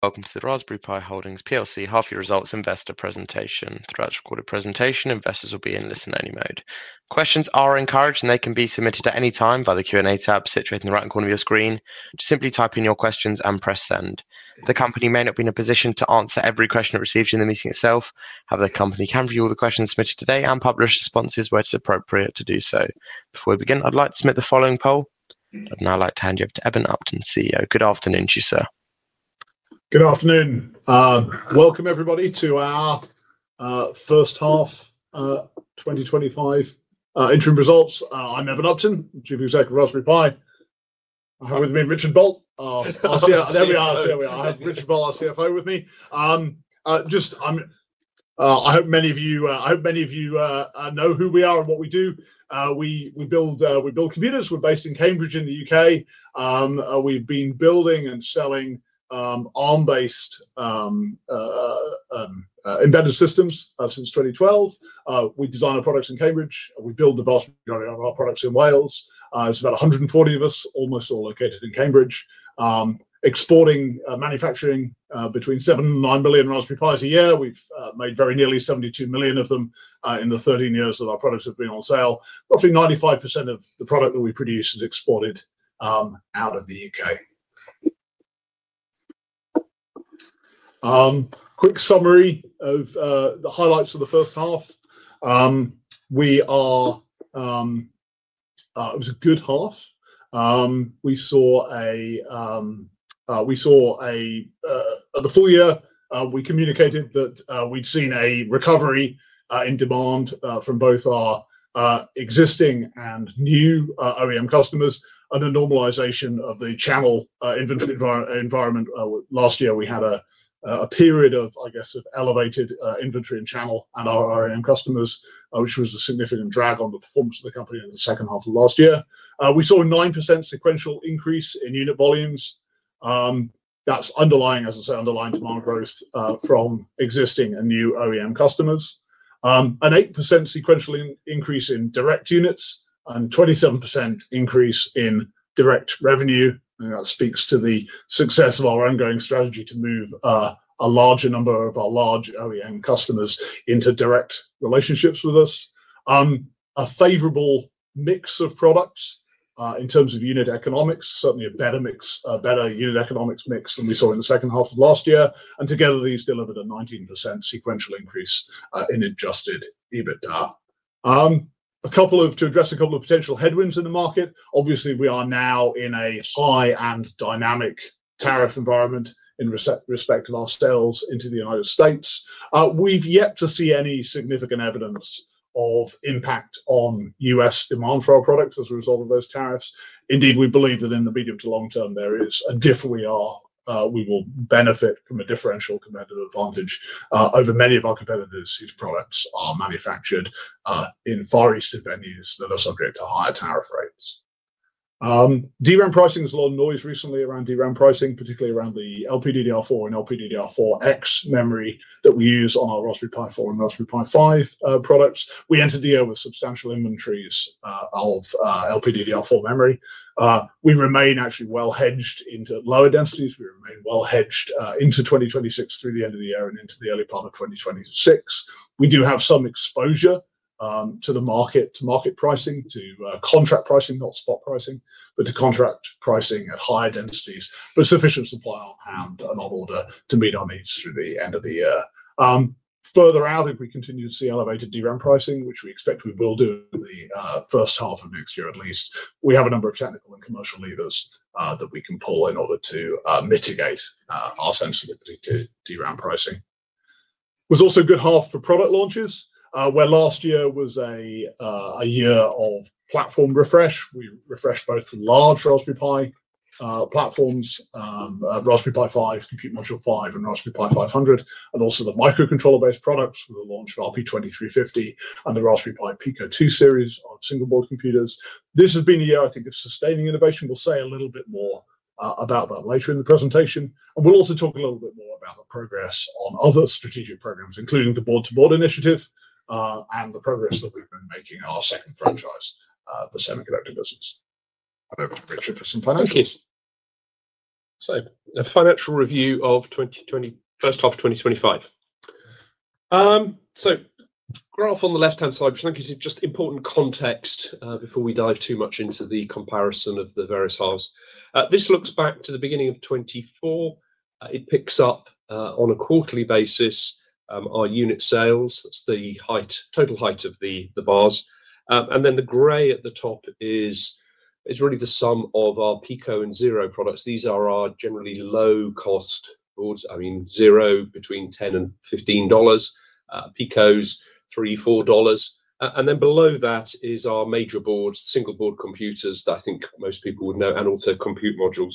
Welcome to the Raspberry Pi Holdings plc Half-Year Results Investor Presentation. Throughout this recorded presentation, investors will be in listen-only mode. Questions are encouraged, and they can be submitted at any time by the Q&A tab situated in the right corner of your screen. Just simply type in your questions and press send. The company may not be in a position to answer every question it receives during [the meeting itself]. However, the company can review all the questions submitted today and publish responses where it's appropriate to do so. Before we begin, I'd like to submit the following poll. I'd now like to hand you over to Eben Upton, CEO. Good afternoon to you, sir. Good afternoon. Welcome everybody to our first half 2025 interim results. I'm Eben Upton, Chief Executive of Raspberry Pi Holdings plc. I have with me Richard Boult, our CFO, with me. I hope many of you know who we are and what we do. We build computers. We're based in Cambridge in the UK. We've been building and selling ARM-based embedded systems since 2012. We design our products in Cambridge. We build the vast majority of our products in Wales. It's about 140 of us, almost all located in Cambridge, exporting, manufacturing between 7 million and 9 million Raspberry Pis a year. We've made very nearly 72 million of them in the 13 years that our products have been on sale. Roughly 95% of the product that we produce is exported out of the UK. A quick summary of the highlights of the first half. It was a good half. The full year, we communicated that we'd seen a recovery in demand from both our existing and new OEM customers, and a normalization of the channel inventory environment. Last year, we had a period of elevated inventory and channel and our OEM customers, which was a significant drag on the performance of the company in the second half of last year. We saw a 9% sequential increase in unit volumes. That's, as I say, underlying demand growth from existing and new OEM customers. An 8% sequential increase in direct units and a 27% increase in direct revenue. I think that speaks to the success of our ongoing strategy to move a larger number of our large OEM customers into direct relationships with us. A favorable mix of products in terms of unit economics, certainly a better unit economics mix than we saw in the second half of last year. Together, these delivered a 19% sequential increase in adjusted EBITDA. To address a couple of potential headwinds in the market, obviously, we are now in a high and dynamic tariff environment in respect of our sales into the United States. We've yet to see any significant evidence of impact on U.S. demand for our products as a result of those tariffs. Indeed, we believe that in the medium to long term, definitely we will benefit from a differential competitive advantage over many of our competitors whose products are manufactured in Far Eastern venues that are subject to higher tariff rates. DRAM pricings, there has been a lot of noise recently around DRAM pricing, particularly around the LPDDR4 and LPDDR4X memory that we use on our Raspberry Pi 4 and Raspberry Pi 5 products. We entered the year with substantial inventories of LPDDR4 memory. We remain actually well hedged into lower densities. We remain well hedged into 2026, through the end of the year and into the early part of 2026. We do have some exposure to market pricing, to contract pricing, not spot pricing, but to contract pricing at higher densities. There is sufficient supply on hand and on order to meet our needs through the end of the year. Further out, if we continue to see elevated DRAM pricing, which we expect we will do in the first half of next year at least, we have a number of technical and commercial levers that we can pull in order to mitigate our sensitivity to DRAM pricing. It was also a good half for product launches, where last year was a year of platform refresh. We refreshed both large Raspberry Pi platforms, Raspberry Pi 5, Compute Module 5 and Raspberry Pi 500, and also the microcontroller-based products with the launch of RP2350 and the Raspberry Pi Pico 2 series on single-board computers. This has been a year I think of sustaining innovation. We'll say a little bit more about that later in the presentation. We'll also talk a little bit more about the progress on other strategic programs, including the board-to-board initiative and the progress that we've been making in our second franchise, the semiconductor business. [I'll go to] Richard Boult for some [financials]. A financial review of first half of 2025. The graph on the left-hand side, which I think is just important context before we dive too much into the comparison of the various halves, this looks back to the beginning of 2024. It picks up on a quarterly basis, our unit sales. That's the total height of the bars. The gray at the top is really the sum of our Pico and Zero products. These are our generally low-cost boards. I mean, Zero, between $10 and $15, Pico's $3, $4. Below that is our major boards, single-board computers that I think most people would know, and also compute modules.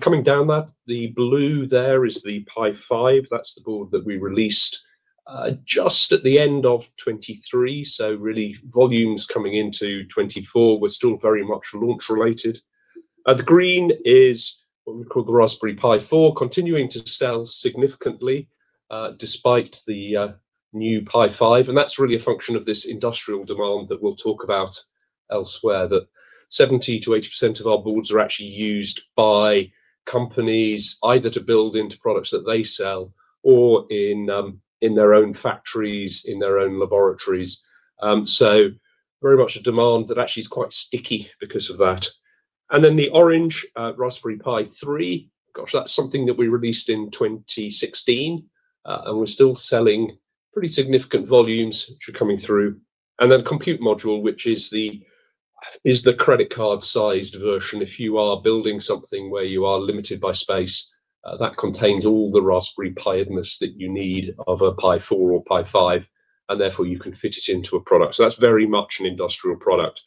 Coming down that, the blue there is the Pi 5. That's the board that we released just at the end of 2023. Volumes coming into 2024 were still very much launch-related. The green is what we call the Raspberry Pi 4, continuing to sell significantly, despite the new Pi 5. That's really a function of this industrial demand that we'll talk about elsewhere, that 70%-80% of our boards are actually used by companies either to build into products that they sell or in their own factories, in their own laboratories. Very much a demand that actually is quite sticky because of that. The orange, Raspberry Pi 3, that's something that we released in 2016 and we're still selling pretty significant volumes, which are coming through. Compute module, which is the credit card-sized version, if you are building something where you are limited by space, that contains all the Raspberry Pi-edness that you need of a Pi 4 or Pi 5, and therefore you can fit it into a product. That's very much an industrial product.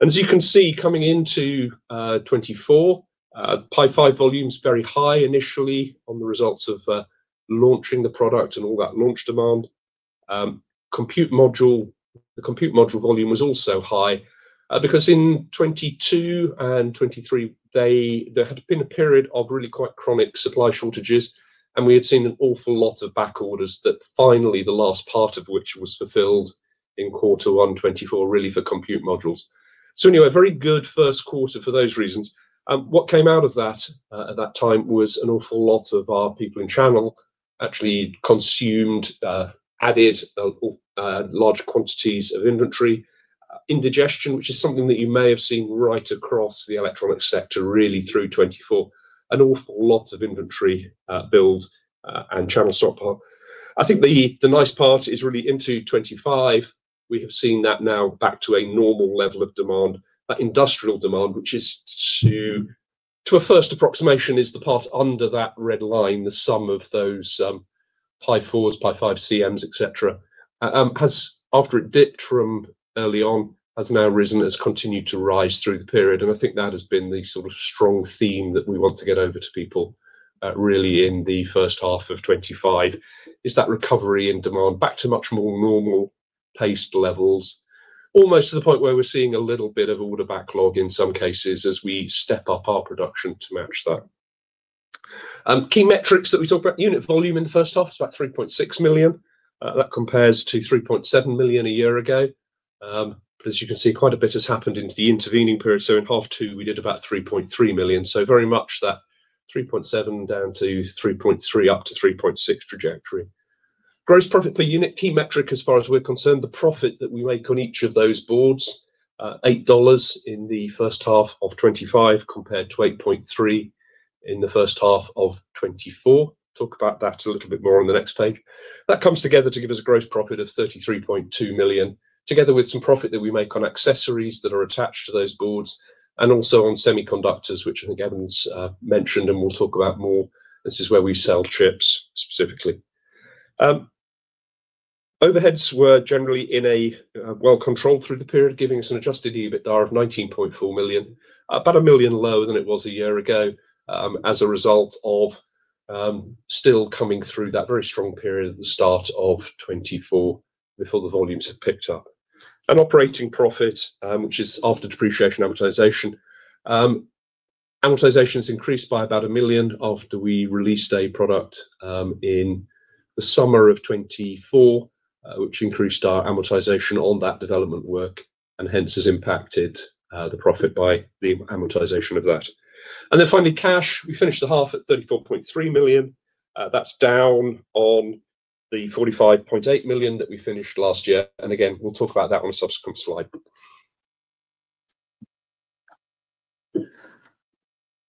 As you can see, coming into 2024, Pi 5 volume is very high initially on the results of launching the product and all that launch demand. The compute module volume was also high, because in 2022 and 2023, there had been a period of really quite chronic supply shortages, and we had seen an awful lot of back orders finally, the last part of which was fulfilled in quarter one 2024, really for compute modules. You have a very good first quarter for those reasons. What came out of that at that time was an awful lot of our people in channel actually consumed, added large quantities of inventory, indigestion, which is something that you may have seen right across the electronics sector really through 2024, an awful lots of inventory build and channel stockpile. I think the nice part is really into 2025, we have seen that now back to a normal level of demand, that industrial demand, which is to a first approximation, is the part under that red line, the sum of those, Pi 4s, Pi 5 CMs, et cetera, after it dipped from early on, has now risen, has continued to rise through the period. I think that has been the sort of strong theme that we want to get over to people really in the first half of 2025, is that recovery in demand back to much more normal-paced levels, almost to the point where we're seeing a little bit of order backlog in some cases as we step up our production to match that. Key metrics that we talk about, unit volume in the first half is about 3.6 million. That compares to 3.7 million a year ago, but as you can see, quite a bit has happened into the intervening period. In half two, we did about 3.3 million. Very much that 3.7 down to 3.3, up to 3.6 trajectory. Gross profit per unit, key metric as far as we're concerned, the profit that we make on each of those boards, $8 in the first half of 2025 compared to $8.3 in the first half of 2024. Talk about that a little bit more on the next page. That comes together to give us a gross profit of $33.2 million, together with some profit that we make on accessories that are attached to those boards and also on semiconductors, which I think Eben's mentioned and we'll talk about more. This is where we sell chips specifically. Overheads were generally well-controlled through the period, giving us an adjusted EBITDA of $19.4 million, about a million lower than it was a year ago, as a result of still coming through that very strong period at the start of 2024 before the volumes had picked up. Operating profit, which is after depreciation and amortization, amortization has increased by about a million after we released a product in the summer of 2024, which increased our amortization on that development work, and hence has impacted the profit by the amortization of that. Finally, cash, we finished the half at $34.3 million. That's down on the $45.8 million that we finished last year. Again, we'll talk about that on a subsequent slide.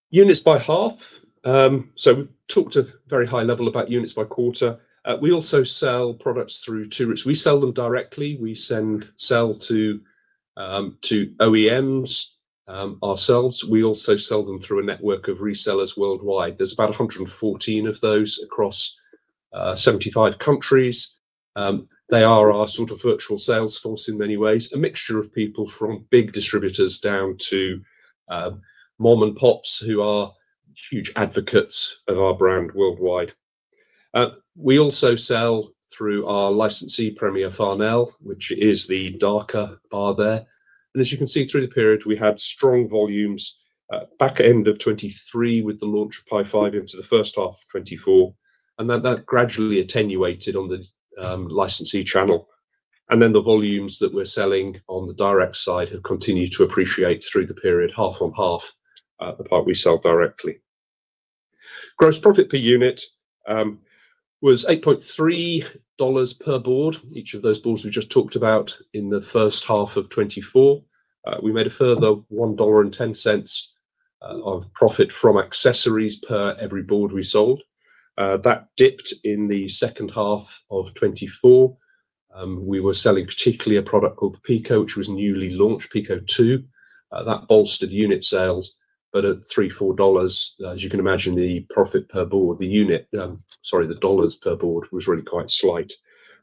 Units by half. We talked at a very high level about units by quarter. We also sell products through [tourists]. We sell them directly. We sell to OEMs ourselves. We also sell them through a network of resellers worldwide. There's about 114 of those across 75 countries. They are our sort of virtual sales force in many ways, a mixture of people from big distributors down to mom and pops who are huge advocates of our brand worldwide. We also sell through our licensee, Premier Farnell, which is the darker R there. As you can see through the period, we had strong volumes back at the end of 2023, with the launch of Pi 5 into the first half of 2024. That gradually attenuated on the licensee channel. The volumes that we're selling on the direct side have continued to appreciate through the period, half-on-half, the part we sell directly. Gross profit per unit was $8.30 per board, each of those boards we just talked about in the first half of 2024. We made a further $1.10 of profit from accessories per every board we sold. That dipped in the second half of 2024. We were selling particularly a product called Pico, which was newly launched, Pico 2. That bolstered unit sales, but at $3, $4, as you can imagine, the dollars per board was really quite slight.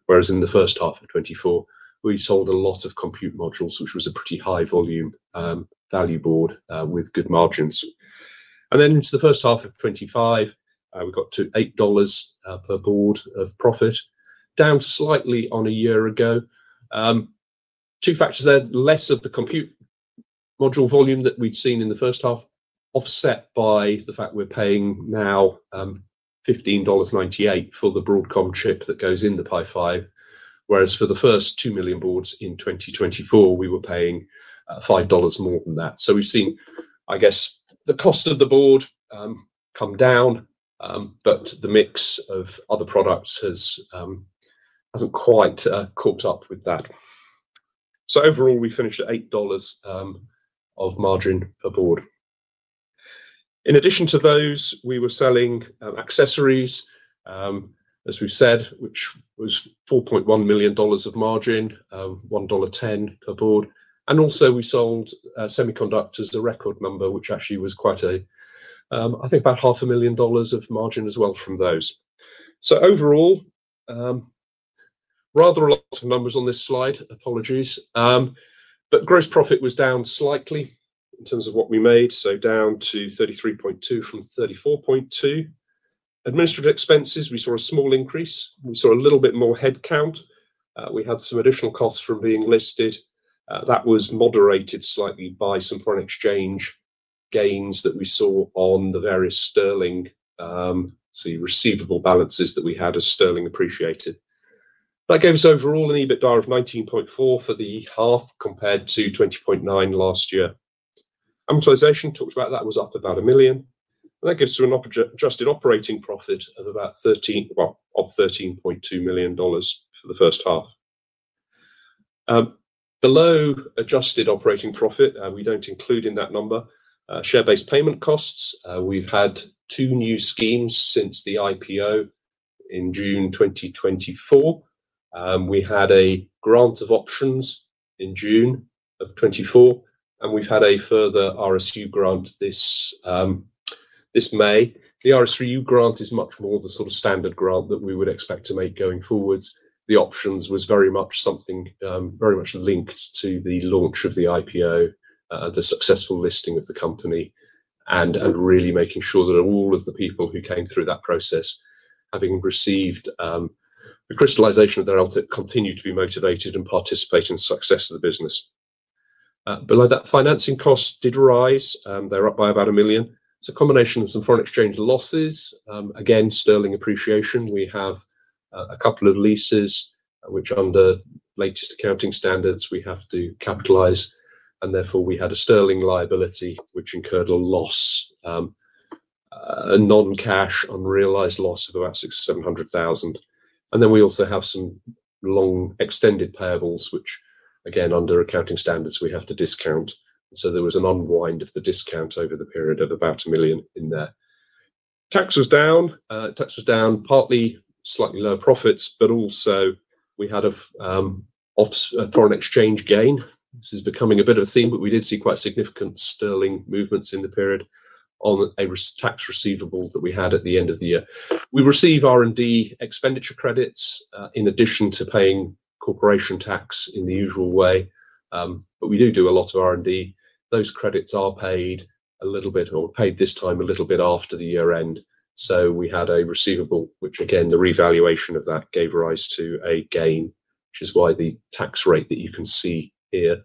Whereas in the first half of 2024, we sold a lot of Compute Module, which was a pretty high volume value board with good margins. Into the first half of 2025, we got to $8 per board of profit, down slightly on a year ago. Two factors there, less of the Compute Module volume that we'd seen in the first half, offset by the fact we're paying now $15.98 for the Broadcom chip that goes in the Pi 5. Whereas for the first 2 million boards in 2024, we were paying $5 more than that. We've seen, I guess, the cost of the board come down, but the mix of other products hasn't quite caught up with that. Overall, we finished at $8 of margin a board. In addition to those, we were selling accessories, as we've said, which was $4.1 million of margin, $1.10 per board. Also, we sold semiconductors, the record number, which actually was I think about half a million dollars of margin as well from those. Overall, rather a lot of numbers on this slide, apologies, but gross profit was down slightly in terms of what we made, so down to £33.2 million from £34.2 million. Administrative expenses, we saw a small increase. We saw a little bit more headcount. We had some additional costs from being listed. That was moderated slightly by some foreign exchange gains that we saw on the various sterling receivable balances that we had as sterling appreciated. That gave us overall an EBITDA of £19.4 million for the half compared to £20.9 million last year. Amortization, talked about that, was up about a million. That gives you an adjusted operating profit of £13.2 million for the first half. Below adjusted operating profit, we don't include in that number share-based payment costs. We've had two new schemes since the IPO in June 2024. We had a grant of options in June of 2024, and we've had a further RSU grant this May. The RSU grant is much more the standard grant that we would expect to make going forwards. The options was very much something very much linked to the launch of the IPO, the successful listing of the company and really making sure that all of the people who came through that process, having received the crystallization of their [alto], continue to be motivated and participate in the success of the business. Below that, financing costs did rise. They're up by about a million. It's a combination of some foreign exchange losses. Again, sterling appreciation. We have a couple of leases, which under latest accounting standards, we have to capitalize. Therefore, we had a sterling liability, which incurred a loss, a non-cash unrealized loss of about £600,000, £700,000. We also have some long extended payables, which again under accounting standards, we have to discount. There was an unwind of the discount over the period of about a million in there. Tax was down. Tax was down, partly slightly lower profits, but also we had a foreign exchange gain. This is becoming a bit of a theme, but we did see quite significant sterling movements in the period on a tax receivable that we had at the end of the year. We received R&D expenditure credits in addition to paying corporation tax in the usual way. We do do a lot of R&D. Those credits are paid a little bit, or paid this time a little bit after the year-end. We had a receivable, which again, the revaluation of that gave rise to a gain, which is why the tax rate that you can see here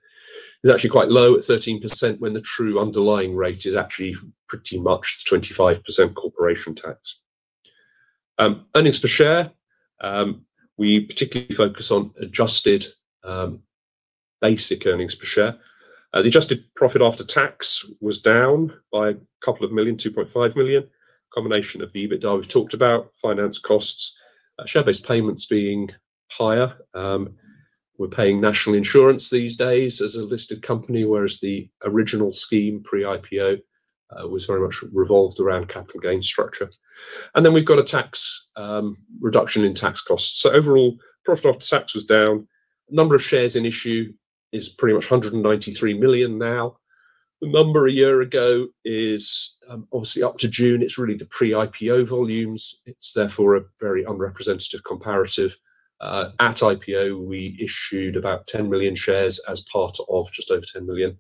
is actually quite low at 13%, when the true underlying rate is actually pretty much 25% corporation tax. Earnings per share, we particularly focus on adjusted basic earnings per share. The adjusted profit after tax was down by a couple of million, £2.5 million. A combination of the EBITDA we've talked about, finance costs, share-based payments being higher. We're paying national insurance these days as a listed company, whereas the original scheme pre-IPO very much revolved around capital gain structure and then we've got a reduction in tax costs. Overall, profit after tax was down. The number of shares in issue is pretty much 193 million now. The number a year ago is, obviously up to June, it's really the pre-IPO volumes. It's therefore a very unrepresentative comparative. At IPO, we issued about 10 million shares as part of just over 10 million,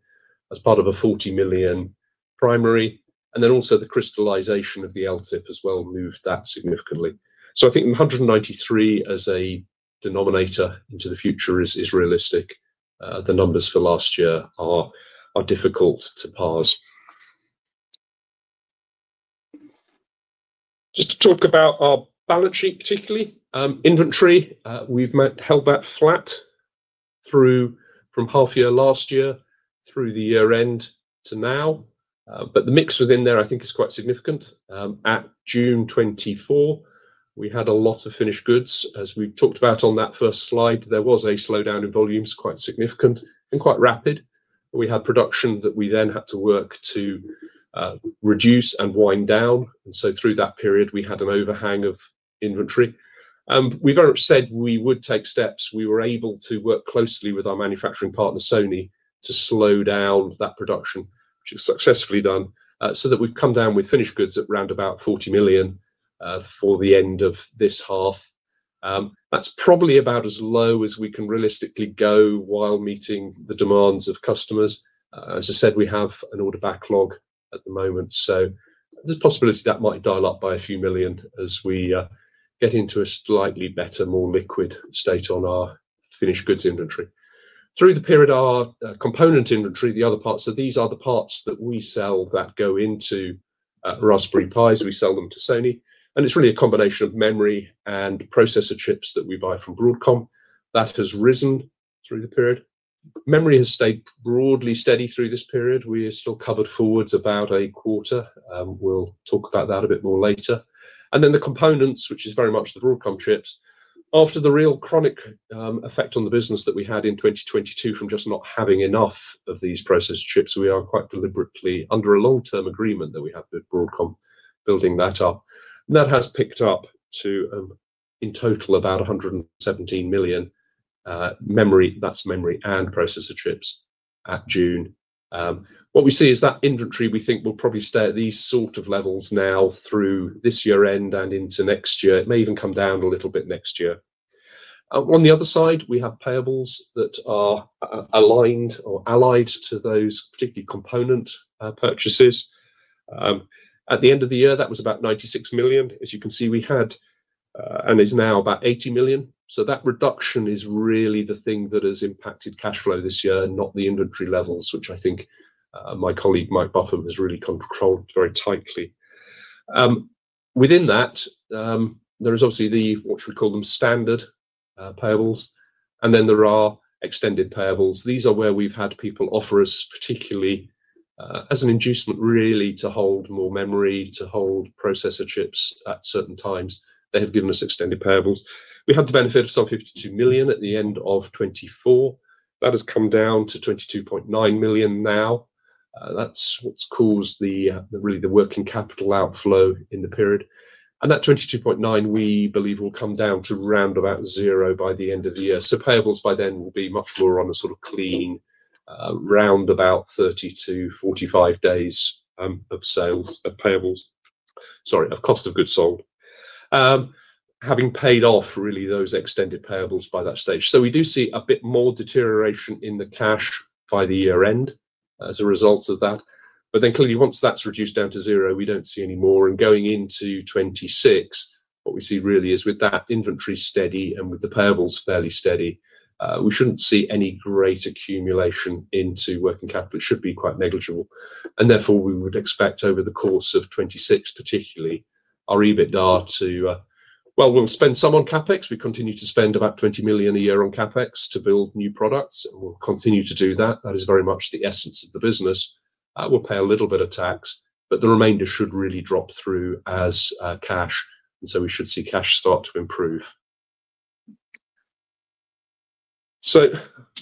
as part of a 40 million primary. Also, the crystallization of the LTIP as well moved that significantly. I think 193 as a denominator into the future is realistic. The numbers for last year are difficult to parse. Just to talk about our balance sheet, particularly inventory, we've held that flat from half year last year through the year-end to now. The mix within there I think is quite significant. At June 2024, we had a lot of finished goods. As we talked about on that first slide, there was a slowdown in volumes, quite significant and quite rapid. We had production that we then had to work to reduce and wind down. Through that period, we had an overhang of inventory. We [very much] said we would take steps. We were able to work closely with our manufacturing partner, Sony, to slow down that production, which was successfully done, so that we've come down with finished goods at around £40 million for the end of this half. That's probably about as low as we can realistically go, while meeting the demands of customers. As I said, we have an order backlog at the moment. There's a possibility that might dial up by a few million as we get into a slightly better, more liquid state on our finished goods inventory. Through the period, our component inventory, the other parts, so these are the parts that we sell that go into Raspberry Pis. We sell them to Sony. It's really a combination of memory and processor chips that we buy from Broadcom, that has risen through the period. Memory has stayed broadly steady through this period. We are still covered forwards about a quarter. We'll talk about that a bit more later. The components, which is very much the Broadcom chips, after the real chronic effect on the business that we had in 2022 from just not having enough of these processor chips, we are quite deliberately under a long-term agreement that we have with Broadcom, building that up. That has picked up to, in total, about 117 million, memory. That's memory and processor chips at June. What we see is that inventory, we think will probably stay at these levels now through this year-end and into next year. It may even come down a little bit next year. On the other side, we have payables that are aligned or allied to those particular component purchases. At the end of the year, that was about £96 million as you can see, and is now about £80 million. That reduction is really the thing that has impacted cash flow this year, not the inventory levels, which I think my colleague Mike Buffham has really controlled very tightly. Within that, there is obviously what we call standard payables and then there are extended payables. These are where we've had people offer us, particularly as an inducement, really to hold more memory, to hold processor chips at certain times. They have given us extended payables. We have the benefit of some £52 million at the end of 2024. That has come down to £22.9 million now. That's what's caused really the working capital outflow in the period. That £22.9 million, we believe, will come down to round about zero by the end of the year. Payables by then will be much more on a clean, round about 30 days-45 days of cost of goods sold, having paid off really those extended payables by that stage. We do see a bit more deterioration in the cash by the year-end as a result of that. Clearly, once that's reduced down to zero, we don't see any more. Going into 2026, what we see really is with that inventory steady and with the payables fairly steady, we shouldn't see any great accumulation into working capital. It should be quite negligible. Therefore, we would expect over the course of 2026 particularly, we'll spend some on CapEx. We continue to spend about £20 million a year on CapEx to build new products. We'll continue to do that. That is very much the essence of the business. We'll pay a little bit of tax, but the remainder should really drop through as cash. We should see cash start to improve. We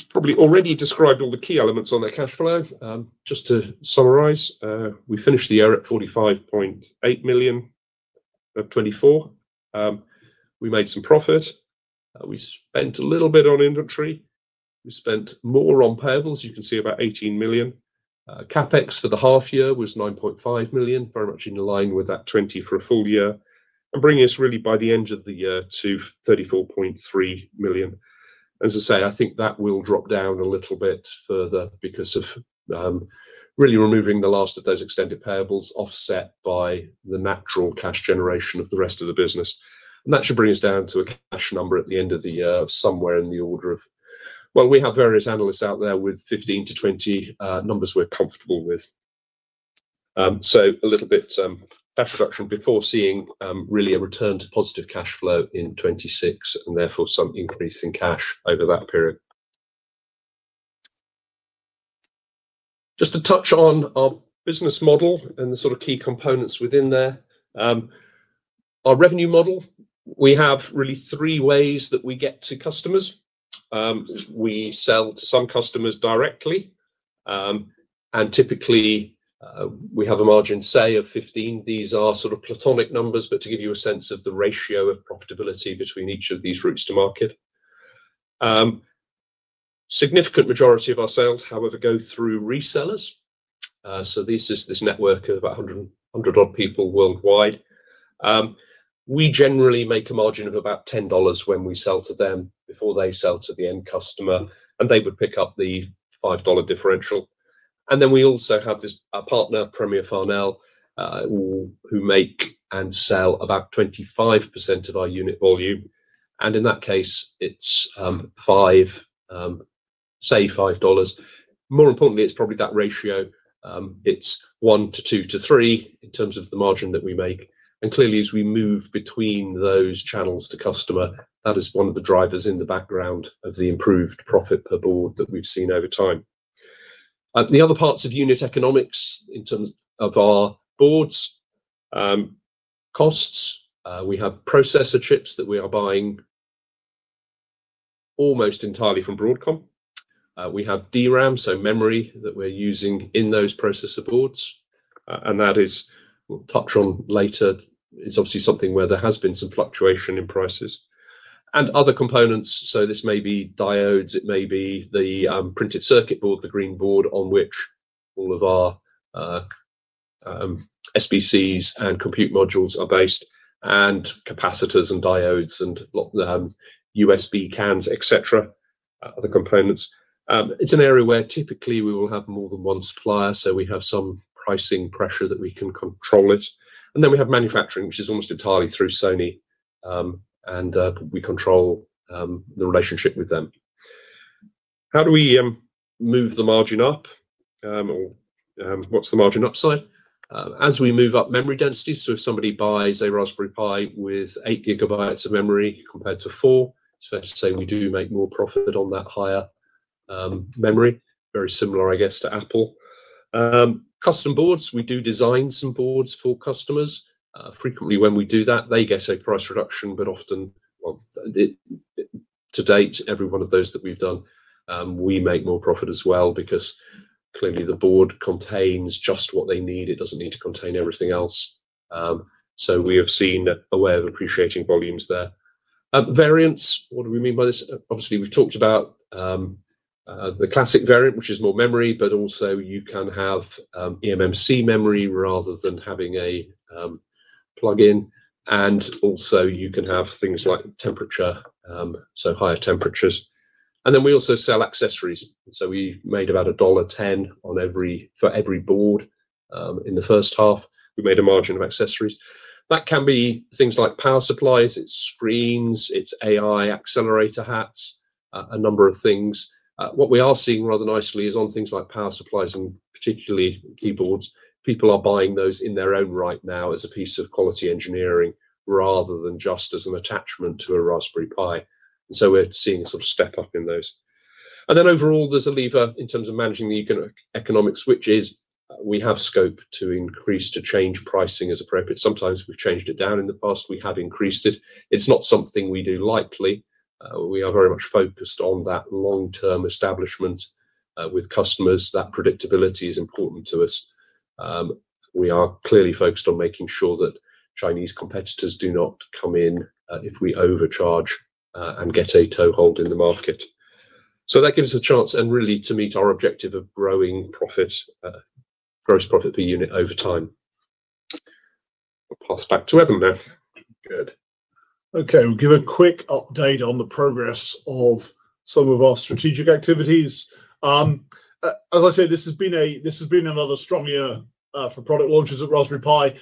probably already described all the key elements on that cash flow. Just to summarize, we finished the year at £45.8 million of 2024. We made some profit. We spent a little bit on inventory. We spent more on payables. You can see about £18 million. CapEx for the half year was £9.5 million, very much in line with that £20 million for a full year, and bringing us really by the end of the year to £34.3 million. As I said, I think that will drop down a little bit further because of really removing the last of those extended payables offset by the natural cash generation of the rest of the business. That should bring us down to a cash number at the end of the year, somewhere in the order of, we have various analysts out there with £15 million-£20 million numbers we're comfortable with. A little bit of some cash reduction before seeing really a return to positive cash flow in 2026, and therefore some increase in cash over that period. Just to touch on our business model and the key components within there, our revenue model, we have really three ways that we get to customers. We sell to some customers directly, and typically we have a margin, say of $15. These are sort of platonic numbers, but to give you a sense of the ratio of profitability between each of these routes to market. A significant majority of our sales however go through resellers. This is this network of about 100 people worldwide. We generally make a margin of about $10 when we sell to them, before they sell to the end customer and they would pick up the $5 differential. We also have this partner, Premier Farnell, who make and sell about 25% of our unit volume. In that case, it's $5. More importantly, it's probably that ratio. It's one to two to three in terms of the margin that we make. Clearly, as we move between those channels to customer, that is one of the drivers in the background of the improved profit per board that we've seen over time. The other parts of unit economics in terms of our boards, costs, we have processor chips that we are buying almost entirely from Broadcom. We have DRAM, so memory that we're using in those processor boards. That, we'll touch on later, is obviously something where there has been some fluctuation in prices and other components. This may be diodes. It may be the printed circuit board, the green board on which all of our SBCs and compute modules are based, and capacitors and diodes and a lot of the USB cans, etc, other components. It's an area where typically we will have more than one supplier, so we have some pricing pressure that we can control. We have manufacturing, which is almost entirely through Sony and we control the relationship with them. How do we move the margin up? What's the margin upside? As we move up memory densities, if somebody buys a Raspberry Pi with 8 GB of memory compared to 4 GB, so it's fair to say we do make more profit on that higher memory, very similar to Apple. Custom boards, we do design some boards for customers. Frequently, when we do that, they get a price reduction, but often to date, every one of those that we've done, we make more profit as well because clearly the board contains just what they need. It doesn't need to contain everything else. We have seen a way of appreciating volumes there. Variants, what do we mean by this? Obviously, we've talked about the classic variant, which is more memory, but also you can have eMMC memory rather than having a plug-in. Also, you can have things like temperature, so higher temperatures. We also sell accessories. We made about $1.10 for every board in the first half. We made a margin on accessories. That can be things like power supplies, screens, AI accelerator hats, a number of things. What we are seeing rather nicely is on things like power supplies and particularly keyboards. People are buying those in their own right now as a piece of quality engineering, rather than just as an attachment to a Raspberry Pi. We're seeing a step up in those. Overall, there's a lever in terms of managing the economic switches. We have scope to increase, to change pricing as appropriate. Sometimes we've changed it down in the past. We have increased it. It's not something we do lightly. We are very much focused on that long-term establishment with customers. That predictability is important to us. We are clearly focused on making sure that Chinese competitors do not come in if we overcharge, and get a toehold in the market. That gives us a chance to meet our objective of growing gross profit per unit over time. I'll pass it back to Eben there. Good. Okay, I'll give a quick update on the progress of some of our strategic activities. As I said, this has been another strong year for product launches at Raspberry Pi.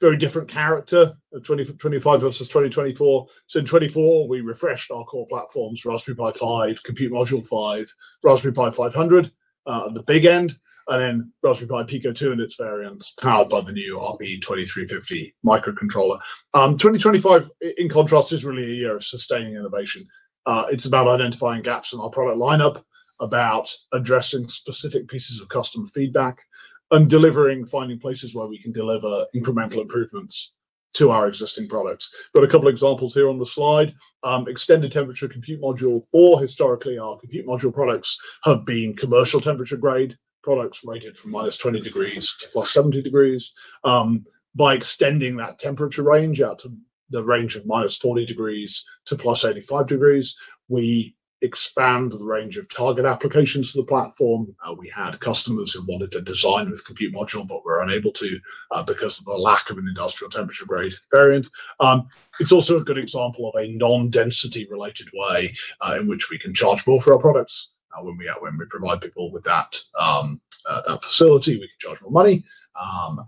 Very different character of 2025 versus 2024. In 2024, we refreshed our core platforms, Raspberry Pi 5, Compute Module 5, Raspberry Pi 500, the big end, and then Raspberry Pi Pico 2 and its variants, powered by the new RP2350 microcontroller. 2025, in contrast, is really a year of sustaining innovation. It's about identifying gaps in our product lineup, about addressing specific pieces of customer feedback and delivering, finding places where we can deliver incremental improvements to our existing products. I've got a couple of examples here on the slide. Extended temperature Compute Module 4, historically, our Compute Module products have been commercial temperature-grade products rated from -20 degrees to +70 degrees. By extending that temperature range out to the range of-40 degrees to -85 degrees, we expand the range of target applications to the platform. We had customers who wanted to design with Compute Module, but were unable to because of the lack of an industrial temperature-grade variant. It's also a good example of a non-density-related way in which we can charge more for our products. When we provide people with that facility, we can charge more money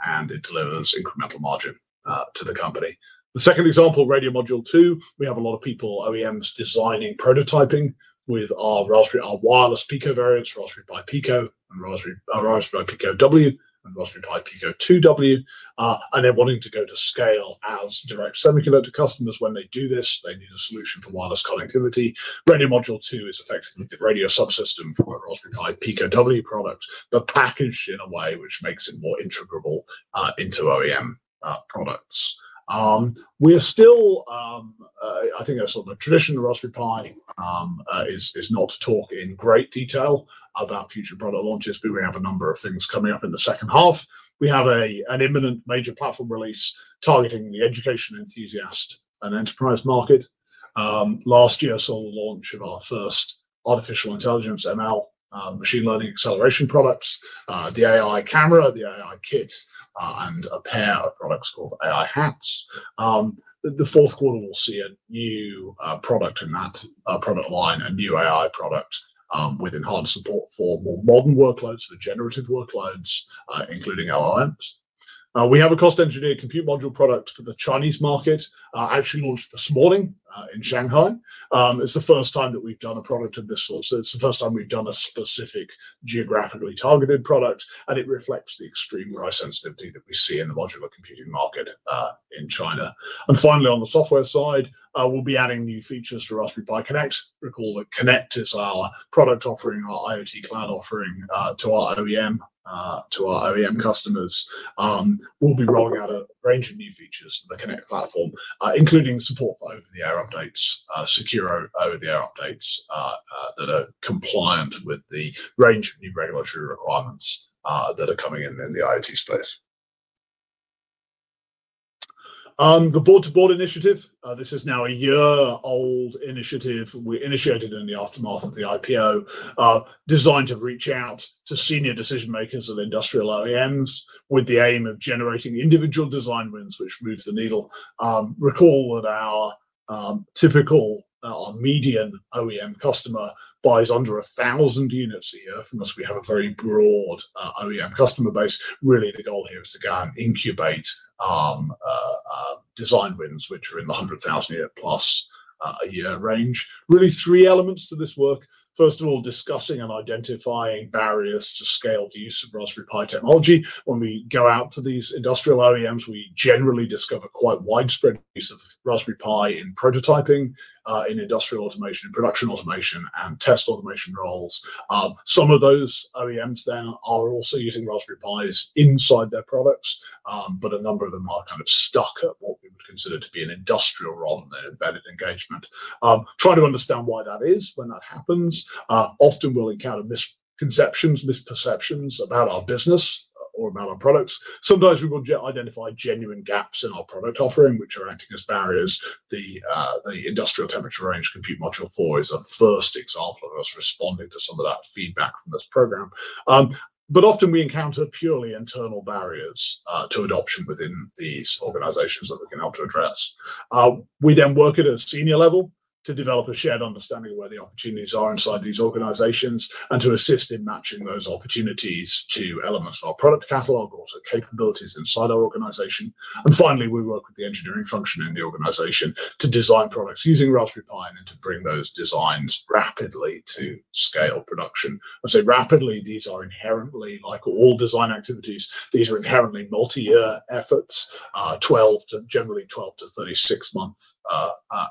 and it delivers incremental margin to the company. The second example, Radio Module 2, we have a lot of OEMs designing prototyping roughly with our wireless Pico variants, Raspberry Pi Pico and Raspberry Pi Pico W and Raspberry Pi Pico 2W, and they're wanting to go to scale as direct semiconductor customers. When they do this, they need a solution for wireless connectivity. Radio Module 2 is effectively the radio subsystem for Raspberry Pi Pico W products, but packaged in a way which makes it more integral into OEM products. I think a sort of the tradition at Raspberry Pi is not to talk in great detail about future product launches, but we have a number of things coming up in the second half. We have an imminent major platform release targeting the education enthusiast and enterprise market. Last year saw the launch of our first artificial intelligence machine learning acceleration products, the AI camera, the AI Kit, and a pair of products called AI HAT. The fourth quarter will see a new product in that product line, a new AI product with enhanced support for more modern workloads, for generative workloads, including LLMs. We have a cost-engineered Compute Module product for the Chinese market, actually launched this morning in Shanghai. It's the first time that we've done a product of this sort. It's the first time we've done a specific geographically targeted product, and it reflects the extreme price sensitivity that we see in the modular computing market in China. Finally, on the software side, we'll be adding new features to Raspberry Pi Connect. Recall that Connect is our product offering, our IoT cloud offering to our OEM customers. We'll be rolling out a range of new features for the Connect platform, including support for over-the-air updates, secure our over-the-air updates that are compliant with the range of new regulatory requirements that are coming in in the IoT space. The board-to-board initiative is now a year-old initiative. We initiated it in the aftermath of the IPO, designed to reach out to senior decision-makers of industrial OEMs, with the aim of generating individual design wins, which moves the needle. Recall that our typical median OEM customer buys under 1,000 units a year from us. We have a very broad OEM customer base. Really, the goal here is to go out and incubate design wins, which are in the 100,000+ a year range. Really three elements to this work. First of all, discussing and identifying barriers to scale the use of Raspberry Pi technology. When we go out to these industrial OEMs, we generally discover quite widespread use of Raspberry Pi in prototyping, in industrial automation, production automation and test automation roles. Some of those OEMs then are also using Raspberry Pis inside their products, but a number of them are stuck at what we would consider to be an industrial role in their embedded engagement. We try to understand why that is when that happens. Often, we'll encounter misconceptions, misperceptions about our business or about our products. Sometimes we will identify genuine gaps in our product offering, which are acting as barriers. The industrial temperature range Compute Module 4 is the first example of us responding to some of that feedback from this program. Often, we encounter purely internal barriers to adoption within these organizations that we can help to address. We then work at a senior level to develop a shared understanding of where the opportunities are inside these organizations, and to assist in matching those opportunities to elements of our product catalog or to capabilities inside our organization. Finally, we work with the engineering function in the organization to design products using Raspberry Pi, and then to bring those designs rapidly to scale production. I say rapidly. Like all design activities, these are inherently multi-year efforts, generally 12 months-36-month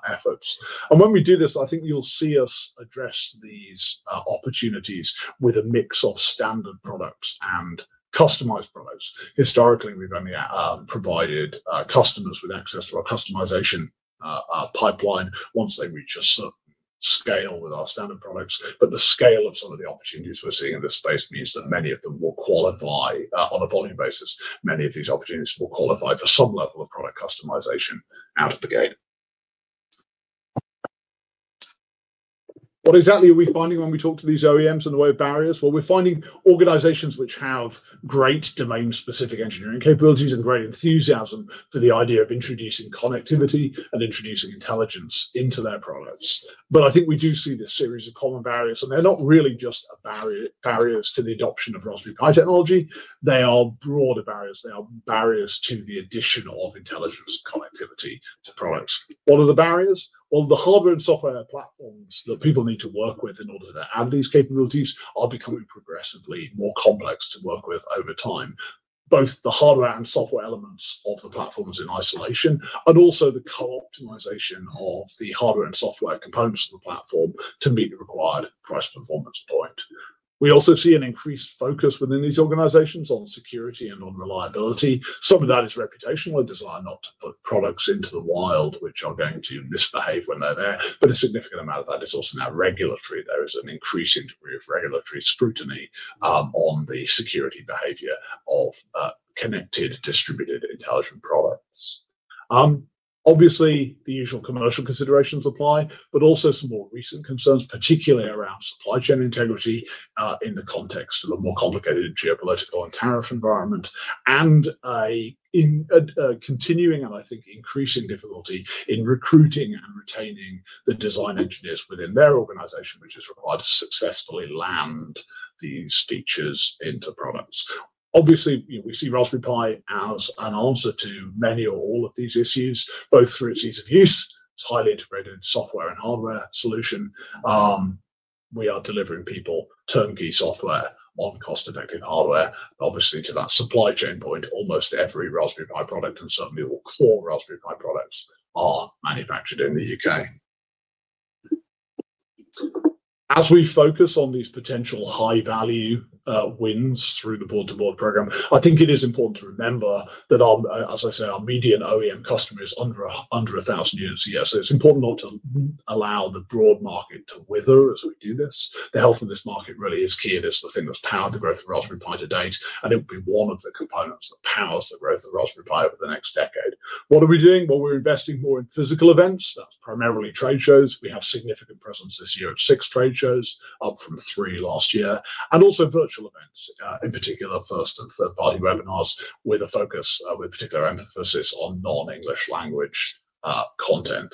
efforts. When we do this, I think you'll see us address these opportunities with a mix of standard products and customized products. Historically, we've only provided customers with access to our customization pipeline once they reach a certain scale with our standard products. The scale of some of the opportunities we're seeing in this space means that many of them will qualify on a volume basis. Many of these opportunities will qualify for some level of product customization out of the gate. What exactly are we finding when we talk to these OEMs in the way of barriers? We're finding organizations which have great domain-specific engineering capabilities, and great enthusiasm for the idea of introducing connectivity and introducing intelligence into their products. I think we do see this series of common barriers, and they're not really just barriers to the adoption of Raspberry Pi technology. They are broader barriers. They are barriers to the addition of intelligence connectivity to products. What are the barriers? All the hardware and software platforms that people need to work with in order to add these capabilities are becoming progressively more complex to work with over time. Both the hardware and software elements of the platforms in isolation, and also the co-optimization of the hardware and software components of the platform to meet the required price performance point. We also see an increased focus within these organizations on security and on reliability. Some of that is reputational and desire not to put products into the wild, which are going to misbehave when they're there. A significant amount of that is also now regulatory. There is an increasing degree of regulatory scrutiny on the security behavior of connected distributed intelligent products. Obviously, the usual commercial considerations apply, but also some more recent concerns, particularly around supply chain integrity in the context of a more complicated geopolitical and tariff environment, and a continuing and I think increasing difficulty in recruiting and retaining the design engineers within their organization, which is required to successfully land these features into products. Obviously, we see Raspberry Pi as an answer to many or all of these issues, both through its ease of use, its highly integrated software and hardware solution. We are delivering people turnkey software on cost-effective hardware. Obviously, to that supply chain point, almost every Raspberry Pi product and certainly all core Raspberry Pi products are manufactured in the U.K. As we focus on these potential high-value wins through the board-to-board program, I think it is important to remember that, as I said, our median OEM customer is under 1,000 units a year. It's important not to allow the broad market to wither as we do this. The health of this market really is key. It is the thing that's powered the growth of Raspberry Pi to date, and it will be one of the components that powers the growth of Raspberry Pi over the next decade. What are we doing? We're investing more in physical events, primarily trade shows. We have a significant presence this year at six trade shows, up from three last year and also virtual events, in particular first and third-party webinars, with particular emphasis on non-English language content.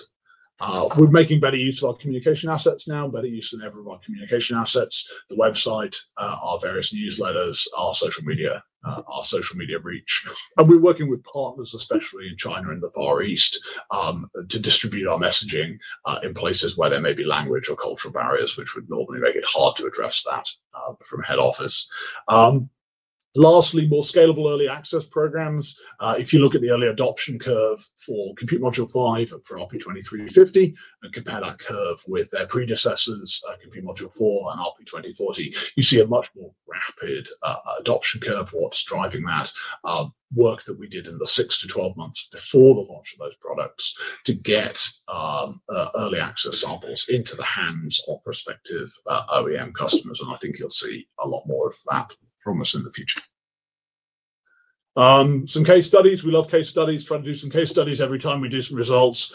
We're making better use of our communication assets now, better use than ever of our communication assets, the website, our various newsletters, our social media reach. We're working with partners, especially in China and the Far East to distribute our messaging in places where there may be language or cultural barriers, which would normally make it hard to address that from head office. Lastly, more scalable early access programs. If you look at the early adoption curve for Compute Module 5 and for RP2350, and compare that curve with their predecessors, Compute Module 4 and RP2040, you see a much more rapid adoption curve for what's driving that work that we did in the 6 months-12 months before the launch of those products, to get early access samples into the hands of prospective OEM customers. I think you'll see a lot more of that from us in the future. Some case studies. We love case studies. Trying to do some case studies every time we do some results.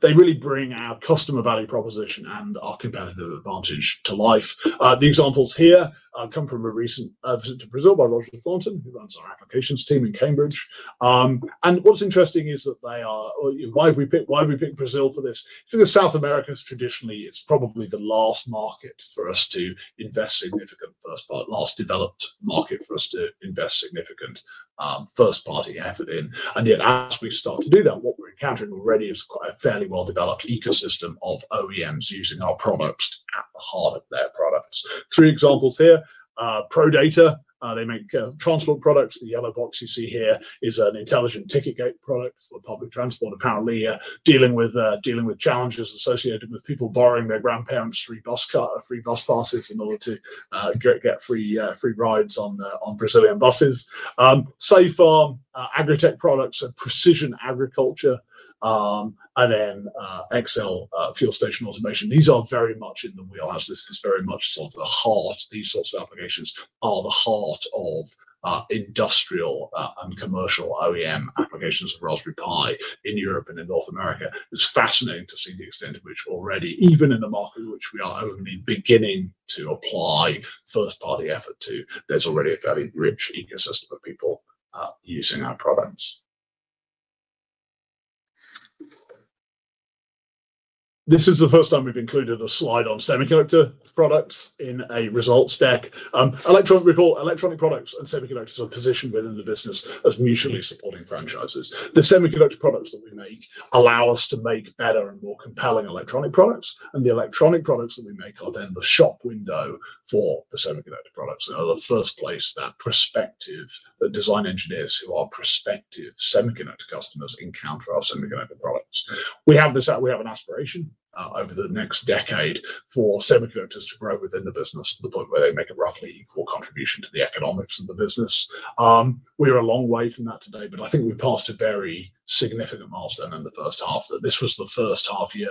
They really bring our customer value proposition and our competitive advantage to life. The examples here come from a recent visit to Brazil by Roger Thornton, who runs our applications team in Cambridge. What's interesting is that, why have we picked Brazil for this? South America traditionally is probably the last market for us to invest significant first-party effort in. Yet as we start to do that, what we're encountering already is quite a fairly well-developed ecosystem of OEMs using our products at the heart of their products. Three examples here. Prodata, they make transport products. The yellow box you see here is an intelligent ticket gate product for public transport, apparently dealing with challenges associated with people borrowing their grandparents' free bus passes in order to get free rides on Brazilian buses. Safe Farm, Agritech products of precision agriculture, and then Excel fuel station automation. These are very much in the wheelhouse. This is very much the heart. These sorts of applications are the heart of industrial and commercial OEM applications of Raspberry Pi in Europe and in North America. It's fascinating to see the extent of which already, even in the market in which we are only beginning to apply first-party effort to, there's already a fairly rich ecosystem of people using our products. This is the first time we've included a slide on semiconductor products in a results deck. Electronic products and semiconductors are positioned within the business as mutually supporting franchises. The semiconductor products that we make allow us to make better and more compelling electronic products. The electronic products that we make are then the shop window for the semiconductor products. In the first place, the design engineers who are prospective semiconductor customers encounter our semiconductor products. We have this out. We have an aspiration over the next decade for semiconductors to grow within the business, to the point where they make a roughly equal contribution to the economics of the business. We're a long way from that to date, but I think we passed a very significant milestone in the first half. This was the first half year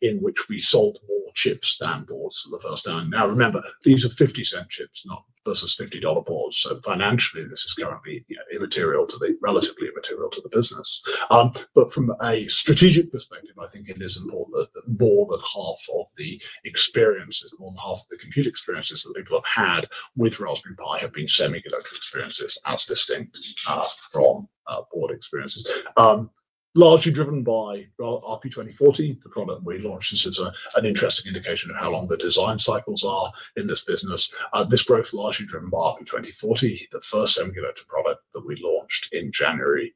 in which we sold chips the first time. Now remember, these are $0.50 chips versus $50 boards. Financially, this is currently relatively immaterial to the business. From a strategic perspective, I think it is important that more than half of the computer experiences that people have had with Raspberry Pi, have been semiconductor experiences as distinct from board experiences. Largely driven by RP2040, the product we launched, this is an interesting indication of how long the design cycles are in this business. This growth is largely driven by RP2040, the first semiconductor product that we launched in January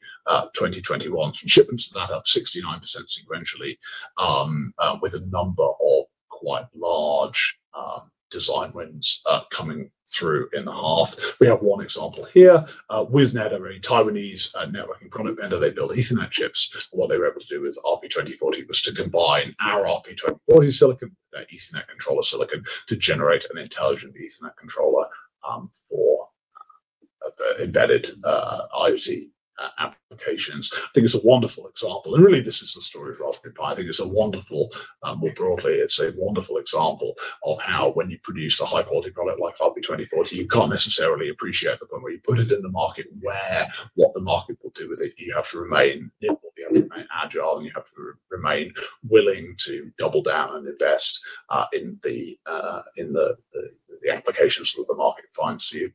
2021. We shipped that up 69% sequentially, with a number of quite large design wins coming through in the half. We have one example here. WIZnet, a very Taiwanese networking product vendor, they build Ethernet chips. What they were able to do with RP2040 was to combine our RP2040 silicon, their Ethernet controller silicon, to generate an intelligent ethernet controller for embedded IoT applications. I think it's a wonderful example. Really, this is the story of Raspberry Pi. I think more broadly, it's a wonderful example of how when you produce a high-quality product like RP2040, you can't necessarily appreciate it, but when you put it in the market, what the market will do with it, you have to remain nimble. You have to remain agile, and you have to remain willing to double down and invest in the applications that the market finds for you.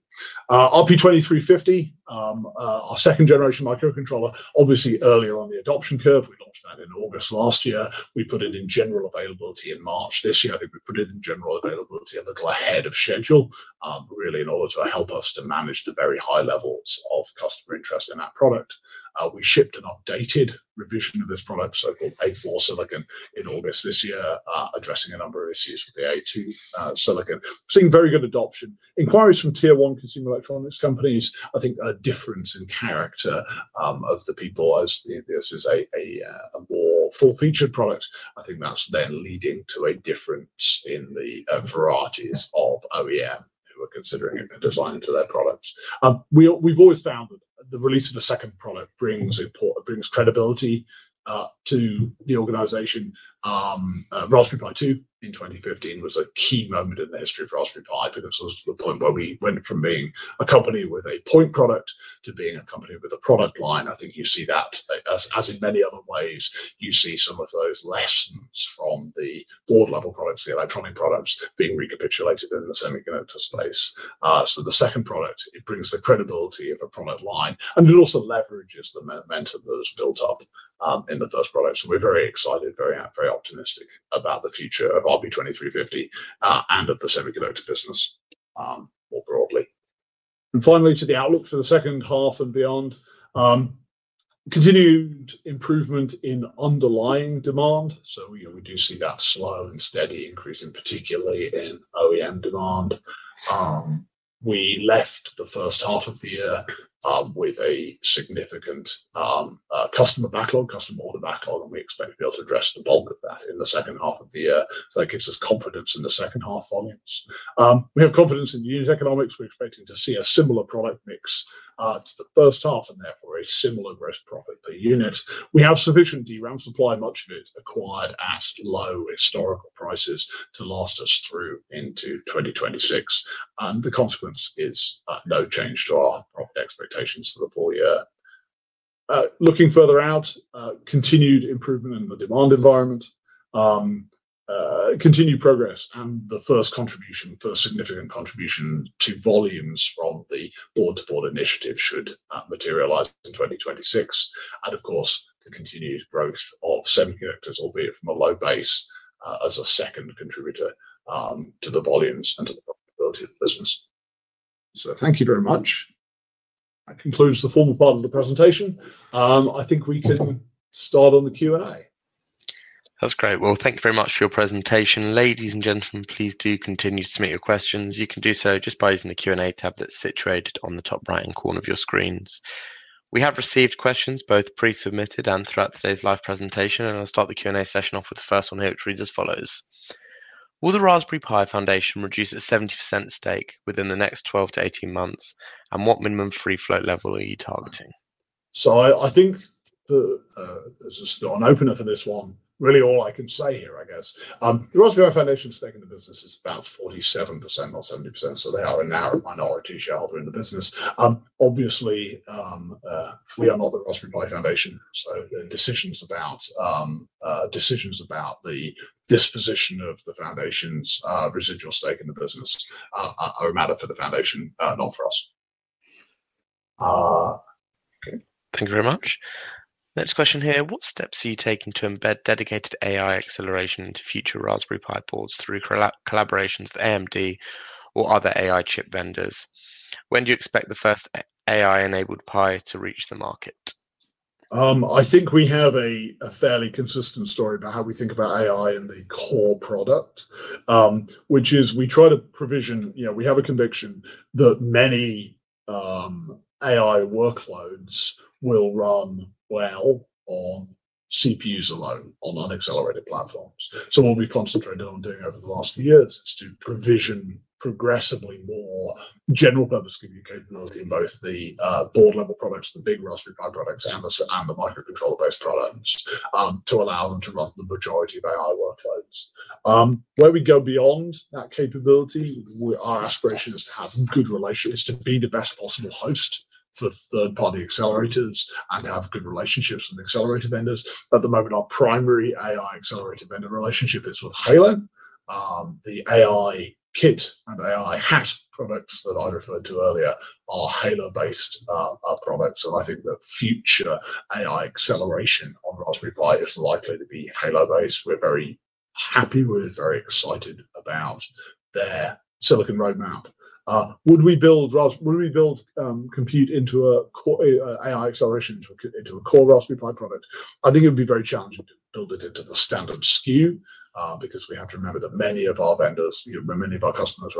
RP2350, our second-generation microcontroller, obviously earlier on the adoption curve. We launched that in August last year. We put it in general availability in March this year. I think we put it in general availability a little ahead of schedule, really in order to help us to manage the very high levels of customer interest in that product. We shipped an updated revision of this product, so-called A4 silicon, in August this year, addressing a number of issues with the A2 silicon. We're seeing very good adoption. Inquiries from tier-one consumer electronics companies, I think a difference in character of the people, as this is a more full-featured product. I think that's then leading to a difference in the varieties of OEMs, who are considering a design to their products. We've always found that the release of a second product brings credibility to the organization. Raspberry Pi 2 in 2015 was a key moment in the history of Raspberry Pi, because it was the point where we went from being a company with a point product to being a company with a product line. I think you see that as in many other ways, you see some of those lessons from the board-level products, the electronic products being recapitulated in the semiconductor space. The second product brings the credibility of a product line, and it also leverages the momentum that is built up in the first product. We're very excited, very optimistic about the future of RP2350 and of the semiconductor business more broadly. Finally, to the outlook for the second half and beyond, continued improvement in underlying demand. We do see that slow and steady increase, and particularly in OEM demand. We left the first half of the year with a significant customer order backlog, and we expect to be able to address the bulk of that in the second half of the year. That gives us confidence in the second half volumes. We have confidence in the unit economics. We're expecting to see a similar product mix to the first half, and therefore a similar gross profit per unit. We have sufficient DRAM supply, much of it acquired at low historical prices to last us through into 2026. The consequence is no change to our expectations for the full year. Looking further out, continued improvement in the demand environment, continued progress and the first significant contribution to volumes from the board-to-board initiative should materialize in 2026. Of course, the continued growth of semiconductors, albeit from a low base, as a second contributor to the volumes and to the profitability of the business. Thank you very much. That concludes the formal part of the presentation. I think we can start on the Q&A. That's great. Thank you very much for your presentation. Ladies and gentlemen, please do continue to submit your questions. You can do so just by using the Q&A tab that's situated on the top right-hand corner of your screens. We have received questions both pre-submitted and throughout today's live presentation. I'll start the Q&A session off with the first one here, which reads as follows, will the Raspberry Pi Foundation reduce a 70% stake within the next 12 months-18 months, and what minimum free float level are you targeting? I think that this is not an opener for this one. Really all I can say here, I guess the Raspberry Pi Foundation stake in the business is about 47%, not 70%. They are a narrow minority shareholder in the business. Obviously, we are not the Raspberry Pi Foundation. Decisions about the disposition of the foundation's residual stake in the business are a matter for the foundation, not for us. Thank you very much. Next question here. What steps are you taking to embed dedicated AI acceleration into future Raspberry Pi boards through collaborations with AMD or other AI chip vendors? When do you expect the first AI-enabled Pi to reach the market? I think we have a fairly consistent story about how we think about AI in the core product, which is, we have a conviction that many AI workloads will run well on CPUs alone on unaccelerated platforms. What we've concentrated on doing over the last few years, is to provision progressively more general-purpose compute capability in both the board-level products, the big Raspberry Pi products, and the microcontroller-based products, to allow them to run the majority of AI workloads. Where we go beyond that capability, our aspiration is to have good relations, is to be the best possible host for third-party accelerators and have good relationships with accelerator vendors. At the moment, our primary AI accelerator vendor relationship is with Hailo. The AI Kit and AI HAT products that I referred to earlier are Hailo-based products. I think that future AI acceleration on Raspberry Pi is likely to be Hailo-based. We're very happy with, very excited about their silicon roadmap. Would we build compute into an AI acceleration into a core Raspberry Pi product? I think it would be very challenging to build it into the standard SKU, because we have to remember that many of our customers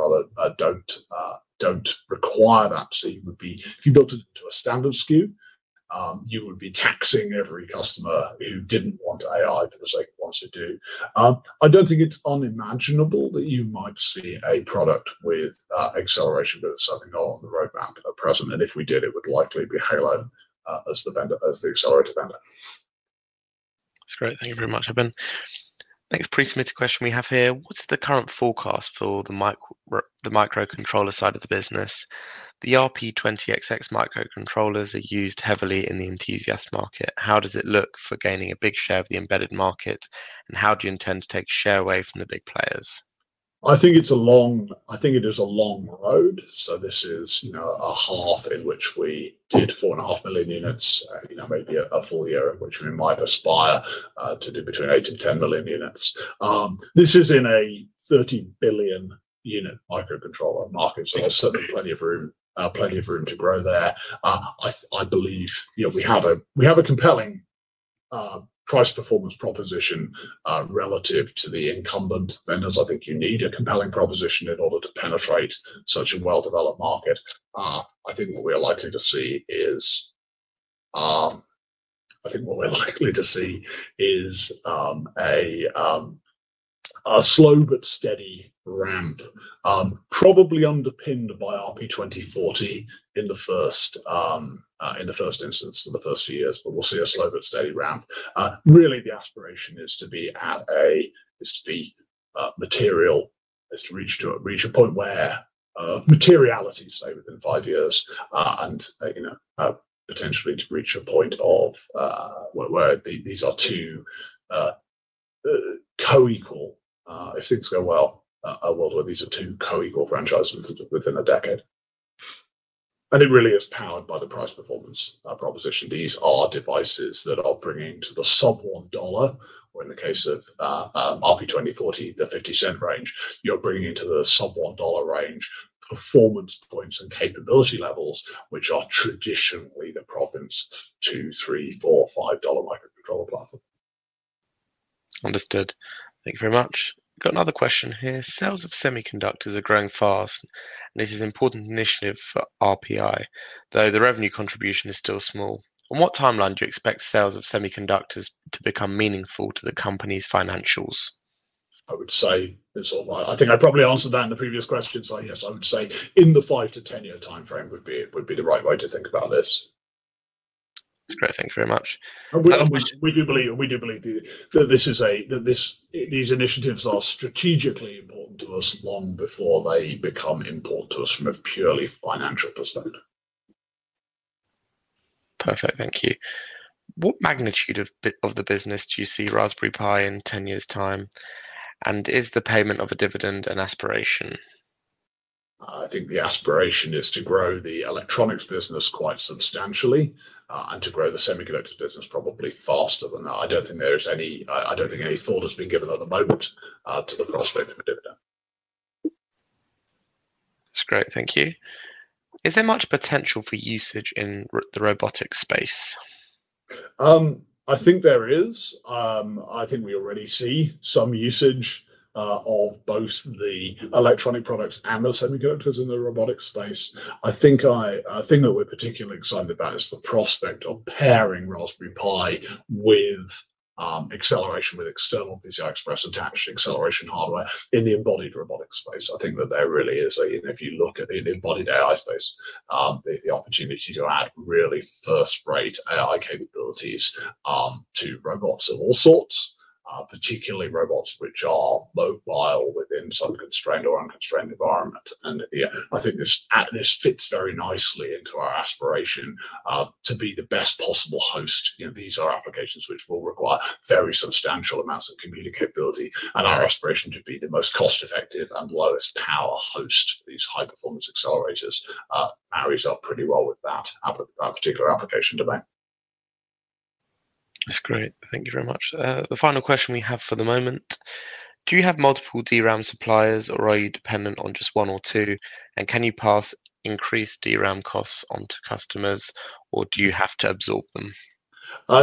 don't require that. If you built it into a standard SKU, you would be taxing every customer who didn't want AI for do. I don't think it's unimaginable that you might see a product with acceleration, that is something not on the roadmap at present. If we did, it would likely be Hailo as the accelerator vendor. That's great. Thank you very much, Eben. Next pre-submitted question we have here. What's the current forecast for the microcontroller side of the business? The [RP2040] microcontrollers are used heavily in the enthusiast market. How does it look for gaining a big share of the embedded market, and how do you intend to take share away from the big players? II think it is a long road. This is a half in which we did 4.5 million units, maybe a full year in which we might aspire to do between 8 million and 10 million units. This is in a 30 billion unit microcontroller market, so there's certainly plenty of room to grow there. I believe we have a compelling price-performance proposition relative to the incumbent vendors. I think you need a compelling proposition in order to penetrate such a well-developed market. I think what we're likely to see is a slow but steady ramp, probably underpinned by RP2040 in the first instance, in the first few years, but we'll see a slow but steady ramp. Really, the aspiration is to be material, to reach a point where materiality, say within five years and potentially to reach a point where these are two co-equal, if things go well or these are two co-equal franchises within a decade. It really is powered by the price-performance proposition. These are devices that are bringing to the sub-$1, or in the case of RP2040, the $0.50 range, you're bringing into the sub-$1 range performance points and capability levels, which are traditionally the province of $2, $3, $4, $5 microcontroller [platform]. Understood. Thank you very much. We've got another question here. Sales of semiconductors are growing fast, and this is an important initiative for Pi, though the revenue contribution is still small. On what timeline do you expect sales of semiconductors to become meaningful to the company's financials? I think I probably answered that in the previous question. Yes, I would say in the five to 10-year timeframe would be the right way to think about this. That's great. Thank you very much. We do believe that these initiatives are strategically important to us long before they become important to us from a purely financial perspective. Perfect. Thank you. What magnitude of the business do you see Raspberry Pi in 10 years' time, and is the payment of a dividend an aspiration? I think the aspiration is to grow the electronics business quite substantially, and to grow the semiconductor business probably faster than that. I don't think any thought has been given at the moment to the prospect of a dividend. That's great. Thank you. Is there much potential for usage in the robotics space? I think there is. I think we already see some usage of both the electronic products and the semiconductors in the robotics space. I think a thing that we're particularly excited about is the prospect of pairing Raspberry Pi with acceleration, with external PCI Express attached to acceleration hardware in the embodied robotics space. I think that there really is, if you look at the embodied AI space, the opportunity to add really first-rate AI capabilities to robots of all sorts, particularly robots which are mobile within some constrained or unconstrained environment. I think this fits very nicely into our aspiration to be the best possible host. These are applications which will require very substantial amounts of communicability, and our aspiration to be the most cost-effective and lowest power host. These high-performance accelerators marries up pretty well with that particular application domain. That's great. Thank you very much. The final question we have for the moment, do you have multiple DRAM suppliers or are you dependent on just one or two? Can you pass increased DRAM costs onto customers, or do you have to absorb them?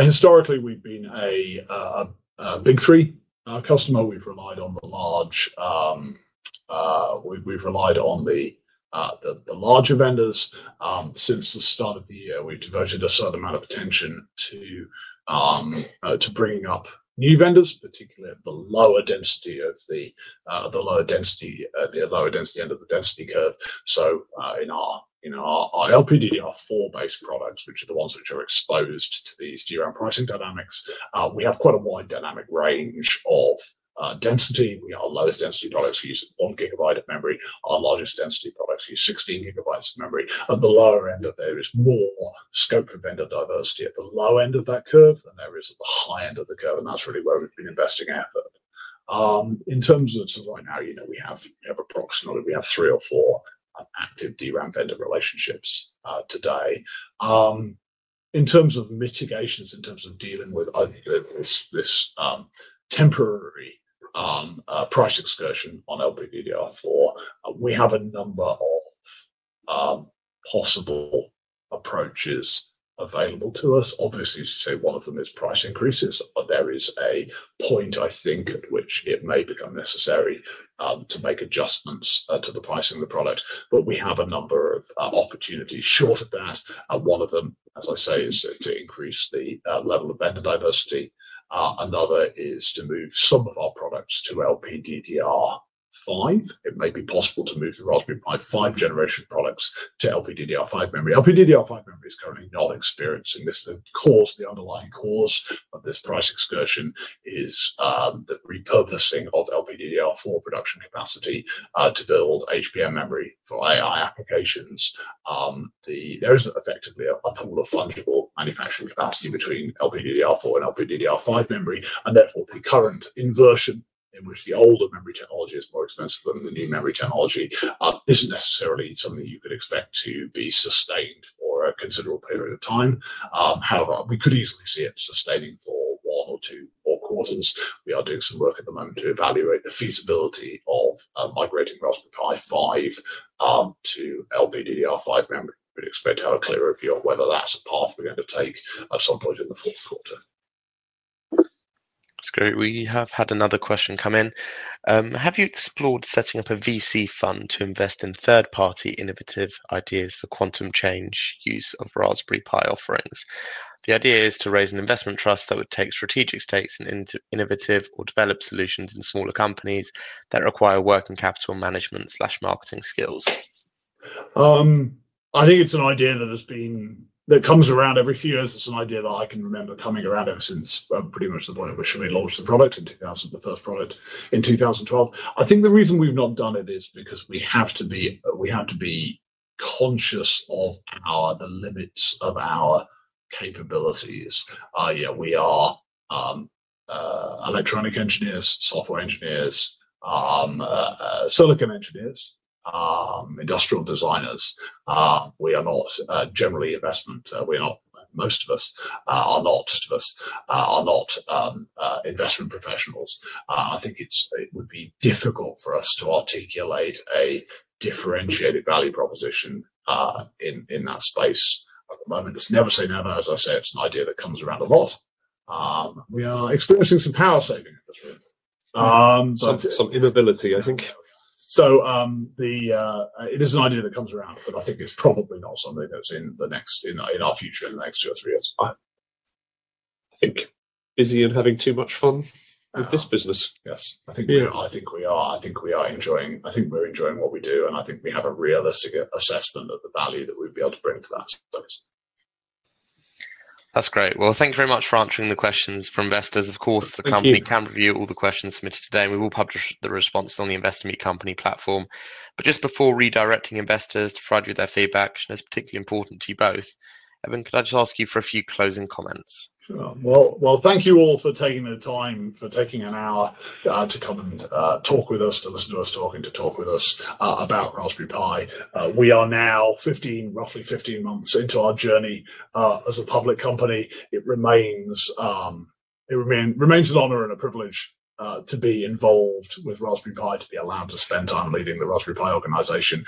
Historically, we've been a big three customer. We've relied on the larger vendors. Since the start of the year, we've diverted a certain amount of attention to bringing up new vendors, particularly at the lower density end of the density curve. In our LPDDR4-based products, which are the ones exposed to these DRAM pricing dynamics, we have quite a wide dynamic range of density. We are the lowest density products to use one gigabyte of memory. Our largest density products use 16 GB of memory. At the lower end, there is more scope of vendor diversity at the low end of that curve than there is at the high end of the curve. That's really where we've been investing. Right now, we have approximately three or four active DRAM vendor relationships today. In terms of mitigations, in terms of dealing with only this temporary price excursion on LPDDR4, we have a number of possible approaches available to us. Obviously, as you say, one of them is price increases. There is a point, I think at which it may become necessary to make adjustments to the pricing of the product. We have a number of opportunities short of that. One of them, as I say, is to increase the level of vendor diversity. Another is to move some of our products to LPDDR5. It may be possible to move the Raspberry Pi 5 generation products to LPDDR5 memory. LPDDR5 memory is currently not experiencing this. The underlying cause of this price excursion is the repurposing of LPDDR4 production capacity, to build HBM memory for AI applications. There is effectively a pool of fungible manufacturing capacity between LPDDR4 and LPDDR5 memory. Therefore, the current inversion in which the older memory technology is more expensive than the new memory technology, isn't necessarily something you could expect to be sustained for a considerable period of time. However, we could easily see it sustaining for one or two more quarters. We are doing some work at the moment to evaluate the feasibility of migrating Raspberry Pi 5 to LPDDR5 memory. We'd expect to have a clearer view of whether that's a path we're going to take at some point in the [next] quarter. That's great. We have had another question come in. Have you explored setting up a VC fund to invest in third-party innovative ideas for quantum change use of Raspberry Pi offerings? The idea is to raise an investment trust that would take strategic stakes in innovative or developed solutions in smaller companies that require working capital management/marketing skills. I think it's an idea that comes around every few years. It's an idea that I can remember coming around ever since pretty much the point at which we launched the first product in 2012. I think the reason we've not done it is because we have to be conscious of the limits of our capabilities. We are electronic engineers, software engineers, silicon engineers, industrial designers. We are not generally investment. Most of us are not investment professionals. I think it would be difficult for us to articulate a differentiated value proposition in that space. Never say never. As I say, it's an idea that comes around a lot. We are experiencing some power saving, some inability I think. It is an idea that comes around, but I think it's probably not something that's in our future in the next two or three years' time. busy and having too much fun with this business. Yes. I think we're enjoying what we do, and I think we have a realistic assessment of the value that we'd be able to bring to that. That's great. Thank you very much for answering the questions from investors. Of course, the company can review all the questions submitted today, and we will publish the responses on the investment company platform. Just before redirecting investors to provide you with their feedback, that's particularly important to you both. Eben, could I just ask you for a few closing comments? Thank you all for taking the time, for taking an hour to come and talk with us, to listen to us talking and to talk with us about Raspberry Pi. We are now roughly 15 months into our journey as a public company. It remains an honor and a privilege to be involved with Raspberry Pi, to be allowed to spend time leading the Raspberry Pi organization.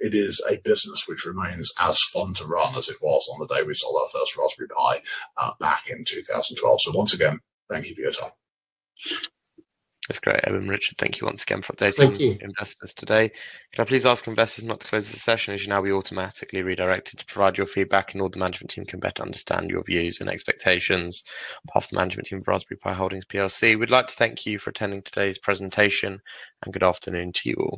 It is a business which remains as fun to run as it was on the day we sold our first Raspberry Pi back in 2012. Once again, thank you for your time. That's great. Eben and Richard, thank you once again for updating the investors today. Can I please ask investors not to close the session? As you know, we automatically redirect it to provide your feedback, and all the management team can better understand your views and expectations of the management team of Raspberry Pi Holdings plc. We'd like to thank you for attending today's presentation, and good afternoon to you all.